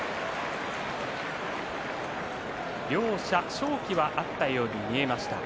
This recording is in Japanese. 両者、勝機はあったように見えました。